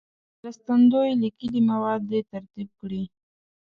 مرستندوی لیکلي مواد دې ترتیب کړي.